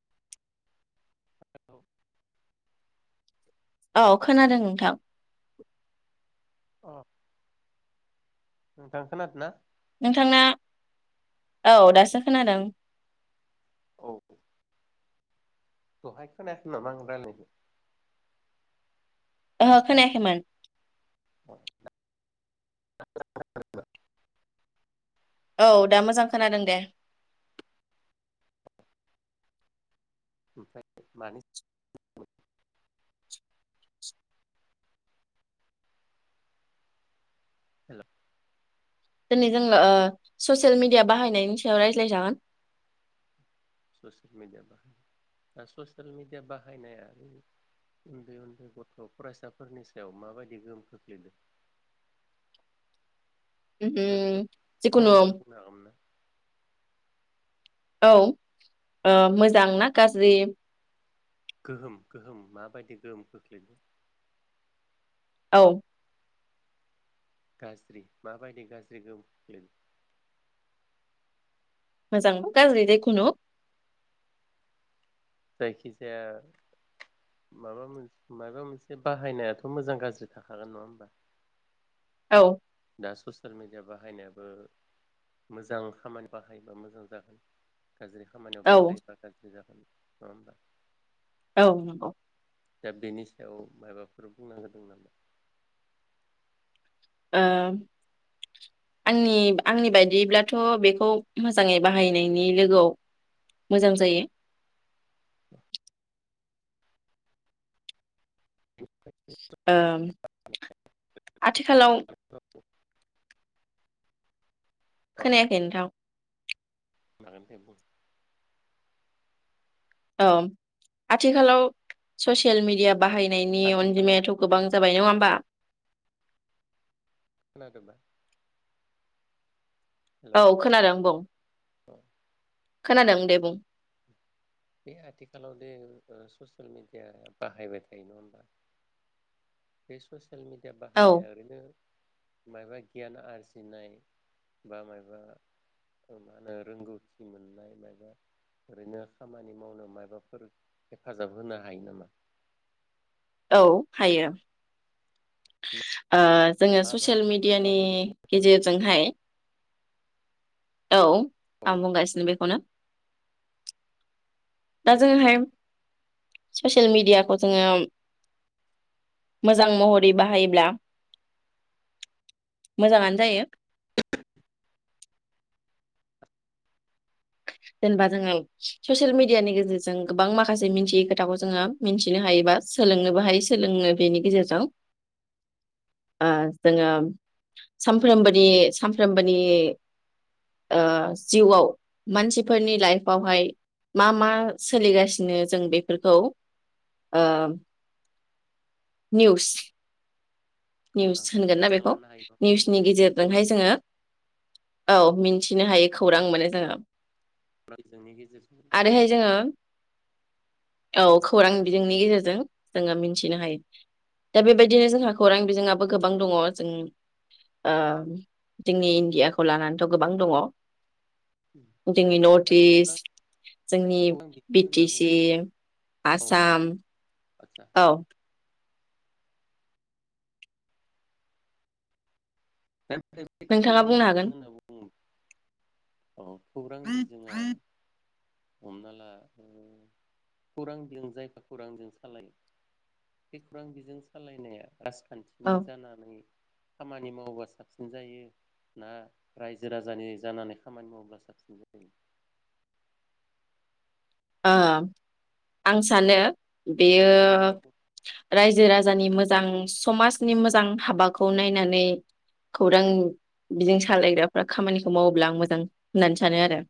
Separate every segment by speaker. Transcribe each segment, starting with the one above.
Speaker 1: [unintelligible]
Speaker 2: औ खोनादों नोंथां
Speaker 1: अ
Speaker 2: नोंथांना औ दासो खोनादों
Speaker 1: औ दहाय खोनायासै नामा आं लारायनायखौ
Speaker 2: ओहो खोनायाखैमोन औ दा मोजां खोनादों दे।
Speaker 1: ओमफ्राय मानि [unintelligible]
Speaker 2: दिनै जोङो ससियेल मिडिया बाहायनायनि सायाव रायज्लायजागोन।
Speaker 1: ससियेल मेडिया बाहाय दा ससियेल मेडिया बाहायनाया उन्दै उन्दै गथ फरायसाफोरनि सायाव माबायदि गोहोम खोख्लैदों ओरैनो
Speaker 2: उम जिखुनु औ
Speaker 1: फंनैसो बुंनो हागोमोनना
Speaker 2: औ मोजांना गाज्रि
Speaker 1: गोहोम गोहोम माबायदि गोहोम खोख्लैदो
Speaker 2: औ
Speaker 1: गाज्रि माबायदि गाज्रि खोख्लोयदों
Speaker 2: मोजांबा गाज्रि जिखुनु
Speaker 1: जायखिजाया माबा मोनसे माबा मोनसे बाहायनायाथ मोजां गाज्रि थाखागोन नङा होमबा
Speaker 2: औ
Speaker 1: दा ससियेल मेडिया बाहायनायाबो मोजां खामानि बाहायोबा मोजां जागोन। गाज्रि खामानियाव
Speaker 2: औ
Speaker 1: बाखायोबा गाज्रि जा नंङा होमबा
Speaker 2: औ नंगौ।
Speaker 1: दा बेनि सायाव माबाफोर बुंना होदों नामा?
Speaker 2: ओ आंनि आंनि बायदिब्लाथ बेखौ मोजाङै बाहायनायनि लोगोआव मोजां जायो
Speaker 1: [inaudible]
Speaker 2: ओम आथिखालाव
Speaker 1: [inaudible]
Speaker 2: खोनायाखै नोंथां
Speaker 1: खोनादों दे बुं
Speaker 2: औ आथिखालाव ससियेल मिडिया बाहायनायनि
Speaker 1: आथिखालाव
Speaker 2: अनजिमायाथ
Speaker 1: ससियेल
Speaker 2: गोबां
Speaker 1: मिडिया
Speaker 2: जाबाय नङा होमबा
Speaker 1: खोनादोंबा हेल'
Speaker 2: औ खोनादों बुं खोनादों दे बुं
Speaker 1: बे आथिखालाव दे ससियेल मेडिया बाहायबाय थायो नङा होमबा बे ससे सियेल मेडिया
Speaker 2: औ
Speaker 1: बाहायनाया ओरैनो मायबा गियान आरजिनाय बा मायबा मा होनो रोंगौथि मोननाय मायबा ओरैनो खामानि मावनो माबाफोर हेफाजाब होनो हायो नामा?
Speaker 2: औ हायो [inaudible] जोङो ससियेल
Speaker 1: माबायदि
Speaker 2: मेडियानि
Speaker 1: माबायदि
Speaker 2: गेजेरजोंहाय औ
Speaker 1: औ
Speaker 2: आं बुंगासिनो बेखौनो दा
Speaker 1: दे बुं
Speaker 2: जोंङोहाय ससि सेल मिडियाखौ जोङो मोजां महर थै बाहायोब्ला मोजाङानो जायो जेनेबा जोङो ससियेल मिडियानि गेजेरजों गोबां माखासे मिथियै खोथाखौ जोङो मिथिनो हायोबा सोलोंनोबो हायो सोलोंनो बेनि गेजेरजों ओ जोङो सानफ्रबोनि सानफ्रोमबोनि ओ जिउआव मानसि फोरनि लाइफआवहाय मा मा सोलिगासिनो जों बेफोरखौ ओ निउस निउस
Speaker 1: खौरां
Speaker 2: होनगोन ना
Speaker 1: खौरां
Speaker 2: बेखौ
Speaker 1: लानो हायो नङा होमबा?
Speaker 2: निउसनि
Speaker 1: खौरां
Speaker 2: गेजेरजोंहाय जोङो औ मिन्थिनो हायो खौरां मोनो जोङो।
Speaker 1: रायजोनि गेजेरजों नङा
Speaker 2: आरोहाय
Speaker 1: होमबा
Speaker 2: जोङो औ खौरां बिजोंनि गेजेरजों जोङो मिथिनो हायो। दा बेबायदिनो जोंहा खौरां बिजोंङाबो गोबां दङ' जों ओ जोंनि इण्डियाखौ लानानैथ' गोबां दङ। जोंनि नर्थ
Speaker 1: दा खौरां
Speaker 2: इस्ट जोंनि
Speaker 1: खौरां
Speaker 2: बि
Speaker 1: बिजों
Speaker 2: टि
Speaker 1: होनना
Speaker 2: सि
Speaker 1: बुङो औ
Speaker 2: आसाम।
Speaker 1: आदसा
Speaker 2: औ।
Speaker 1: [unintelligible]
Speaker 2: नोंथाङा
Speaker 1: खौरां
Speaker 2: बुंनो हागोन
Speaker 1: बिजों होनना बुङो। औ खौरां बिजोङा हमना ला ओ खौरां बिजों जायफोर खौरांजों सालायो बे खौरां बिजों सालायनाया राज
Speaker 2: औ
Speaker 1: खानथिनि जानानै खामानि मावबासो साबसिन जायो ना रायजो राजानि जानानै खामानि मावोब्ला साबसिन जायो?
Speaker 2: ओ आं सानो
Speaker 1: बेनि
Speaker 2: बेयो
Speaker 1: सायाव माबाफोर
Speaker 2: रायजो राजानि मोज मोजां समाजनि मोजां हाबाखौ नायनानै खौरां बिजों सालायग्राफ्रा खामानिखौ मावोब्ला आं मोजां होननानै सानो आरो।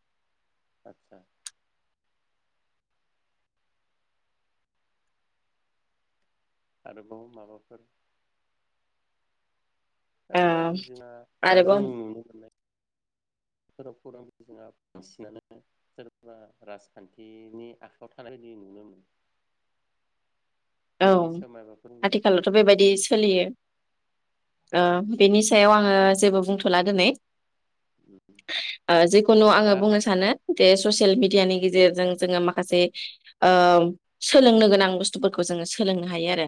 Speaker 1: आतसा [inaudible] आरोबाव माबाफोर? दा
Speaker 2: ओ
Speaker 1: खौरां बिजोङा दा जों
Speaker 2: आरोबाव
Speaker 1: नुनो मोननाय फोराव खौरां जोंहा बांसिनानो सोरबा राजखान्थिनि आखायाव थानाय बादि नुनो मोनो। दा
Speaker 2: औ
Speaker 1: बेनि सायाव माबाफोर
Speaker 2: आथिखालावथ' बेबायदि सोलियो। ओ बेनि सायाव आङो जेबो बुंथ'ला दोनै।
Speaker 1: बुंगोन
Speaker 2: [unintelligible] ओ जिखुनु आङो
Speaker 1: दा
Speaker 2: बुंनो सानो जे ससियेल मिडियानि गेजेरजों जोङो माखासे ओ सोलोंनो गोनां बुस्थुफो खौ जोंङो सोलोंनो हायो आरो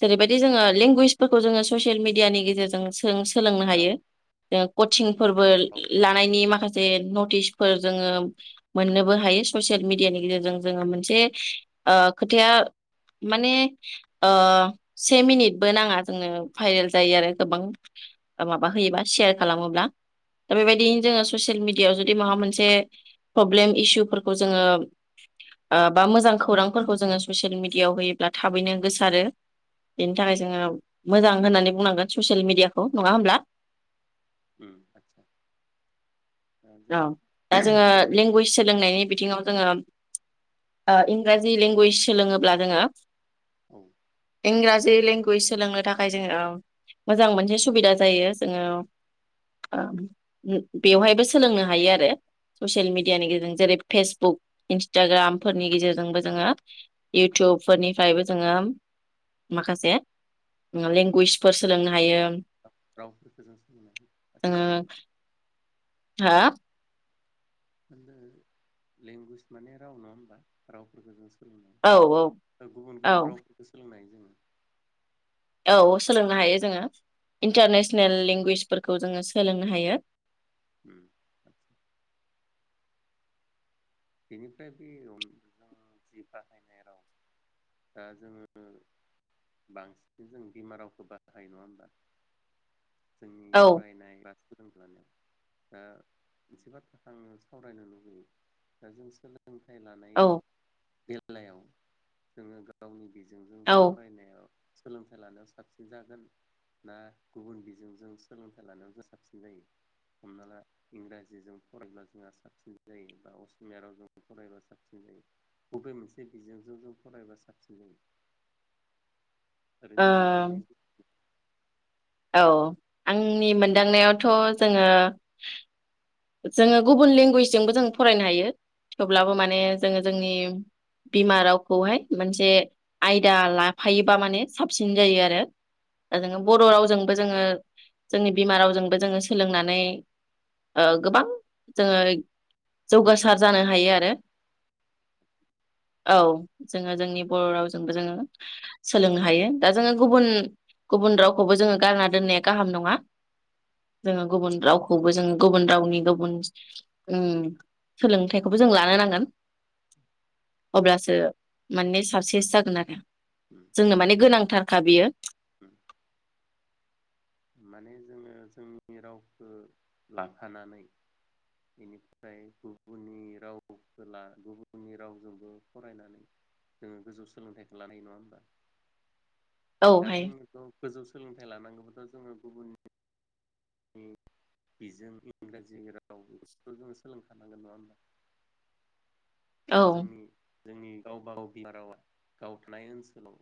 Speaker 2: जेरैबायदि जोङो लेंगुइस फोरखौ जोंङो ससियेल मिडियानि गेजेरजों सो जों सोलोंनो
Speaker 1: राव
Speaker 2: हायो। जों कचिं फोरबो
Speaker 1: रावफोरखौ
Speaker 2: लानायनि माखासे नथ दिस फोर जोङो मोननोबो हायो ससियेल मिडियानि गेजेरजों जोङो मोनसे ओ खोथाया माने ओ से मिनिटबो नाङा जोंनो भाइरेल जायो आरो गोबां ओ माबा होयोबा सेयार खालामोब्ला दा बेबायदिनो जोङो ससियेल मिडियायाव जुदि माबा मोनसे प्रब्लेम इसुफोरखौ जोङो ओ बा मोजां खौरांफोरखौ जोङो ससियेल मिड दियाव होयोब्ला थाबैनो गोसारो बेनि थाखाय जोङो
Speaker 1: उम
Speaker 2: मोजां होननानै बुंनांगोन ससियेल मिडियाखौ नङा होमब्ला?
Speaker 1: उम आदसा दा जों
Speaker 2: औ दा जोङो
Speaker 1: ससियेल मिडिया
Speaker 2: लेंगुवेज सोलोंनायनि बिथिङाव जोङो। ओ इंराजि लेंगुवेज सोलोंङो लारोङो
Speaker 1: औ
Speaker 2: इंराजि लेंगुवेज सोलोंनो थाखाय जोंङो ओ मोजां मोनसे सुबिदा जायो जोंङो ओ बेवहायबो सोलोंनो हायो आरो ससियेल मेडियानि गेजेरजों जेरै फेसबुक इन्सटाग्रामफोरनि गेजेरजोंबो जोंङो इउटुबफोरनिफ्रायबो जोंङो माखासे लेंगुवेजफोर सोलोंनो हायो।
Speaker 1: रावफोरखौ जों सोलोंनानै लानो हायो।
Speaker 2: हो
Speaker 1: होनदो लेंगुवेज माने राव नङा होमबा रावफोरखौ जों
Speaker 2: औ औ
Speaker 1: स गुबुन
Speaker 2: औ
Speaker 1: गुबुन रावफोरखौ सोलोंनाय उम्म
Speaker 2: औ सोलोंनो हायो जोंङो इन्टारनेसनेल लेंगुवेजफोरखौ जोंङो सोलोंनो हायो।
Speaker 1: उम्म बेनिफ्राय बे ओम जों जि बाहायनाय राव दा जोंङो बांसिन जों बिमा रावखौ बाहायो नङा होमबा। जोंनि
Speaker 2: औ
Speaker 1: फ्राय नायग्रा सोलोंग्रानियाव दा एसे बाथ्राखौ आंङो सावरायनो लुुबैयो। दा जों सोलों सोलोंथाइ लानाय
Speaker 2: औ
Speaker 1: बेल बेलायाव जोंङो गावनि बिस जों
Speaker 2: औ ओ
Speaker 1: फरायनायाव सोलोंथाइ लानायाव साबसिन जागोन ना गुबुन बिजोंजों सोलोंथाइ लानायाव जों साबसिन जायो हमना ला इंराजिजों फरायब्ला जोंहा साबसिन जायो बा अस मियाराव जों फरायबा साबसिन जायो बबे मोनसे बिजोंजों जों फरायबा साबसिन जायो? ओरैनो नोंथांनि
Speaker 2: औ आंनि मोनदांनायावथ जोंङो जोंङो गुबुन लेंगुवेजजोंबो जों फरायनो हायो थेवब्लाबो माने जोंङो जोंनि बिमा रावखौहाय मोनसे आयदा लाफायोबा माने साबसिन जायो आरो। दा जोंङो बर' रावजोंबो जोंङो जोंनि बिमा रावजोंबो जोंङो सोलोंनानै ओ गोबां जोंङो
Speaker 1: गोजौ
Speaker 2: जौगासार जानो
Speaker 1: सोलोंथाइ
Speaker 2: हायो आरो।
Speaker 1: लानो
Speaker 2: औ जोंङो जोंनि बर' रावजोंबो जोंङो सोलोंनो हायो दा जोंङो गुबुन गुबुन रावखौबो जोंङो गारना दोननाया गाहाम नङा जोंङो गुबुन रावखौबो जों गुबुन रावनि गुबुन उम्म सोलोंथाइखौबो जों लानो नांगोन अब्लासो माने साक्सेस जागोन आरो। जोंनो
Speaker 1: दा
Speaker 2: माने गोनांथारखा बियो।
Speaker 1: माने जोंङो जोंनि रावखौ लाफानानै बेनिफ्राय गुबुननि रावखौ गुबुननि रावजोंबो फरायनानै जोंङो गोजौ सोलोंथाइखौ लानो हायो नङा होमबा? दा
Speaker 2: औहाय
Speaker 1: जोंखौ गोजौ सोलोंथाइ लानांगौब्लाथ' जोंङो गुबुननि बिजों इंराजि राव बेफोरखौ जों सोलोंखानांगोन नङा होनब्ला?
Speaker 2: औ
Speaker 1: दा जोंनि जोंनि गावबागाव बिमा रावा गाव थानाय ओनसोलाव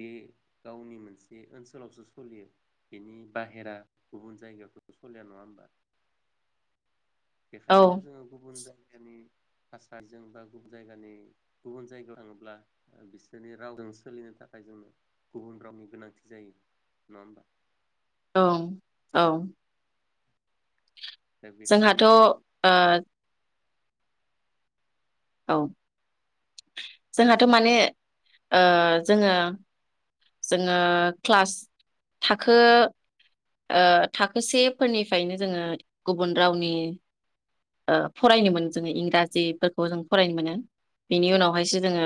Speaker 1: बे गावनि मोनसे ओनसोलावसो सोलियो बेनि बाहेरा। गुबुन जायगायावथ' सलिया नङा होमबा।
Speaker 2: औ
Speaker 1: बेखायनो जोङो गुबुन जायो। जायगानि थासारिजों बा गुबुन जायगानि गुबुन जायगायाव थाङोब्ला बिसोरनि रावजों सोलिनो थाखाय जोंनो गुबुन रावनि गोनांथि जायो नङा होमबा।
Speaker 2: औ औ।
Speaker 1: दा
Speaker 2: जोंहाथ'
Speaker 1: बेखायनो जों
Speaker 2: औ।
Speaker 1: दे
Speaker 2: जोंहाथ' माने। औ जोङो जोङो क्लास थाखो। थाखोसेफोरनिफ्रायनो जोङो गुबुन रावनि फरायनो मोनो जोङो इंराजिफोरखौ जों फरायनो मोनो बेनि उनावहायसो जोङो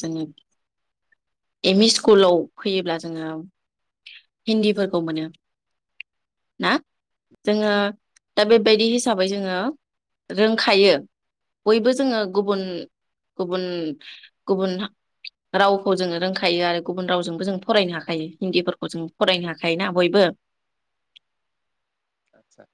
Speaker 2: जोङो एमइ स्कुलाव फैयोब्ला जोङो। हिन्दीफोरखौ मोनो ना जोङो। दा बेबायदि हिसाबै जोङो रोंखायो बयबो जोङो गुबुन गुबुन गुबुन रावखौ जोङो रोंखायो आरो गुबुन रावजोंबो जों फरायनो हाखायो हिन्दीफोरखौ जों। फरायनो हाखायोना बयबो।
Speaker 1: आदसा